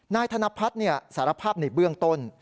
นายธนพัฒน์สารภาพในเบื้องต้น